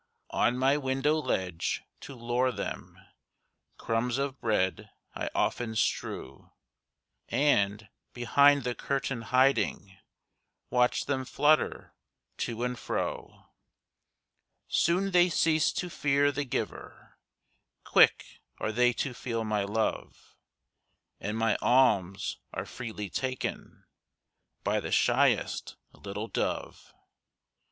On my window ledge, to lure them, Crumbs of bread I often strew, And, behind the curtain hiding, Watch them flutter to and fro. Soon they cease to fear the giver, Quick are they to feel my love, And my alms are freely taken By the shyest little dove.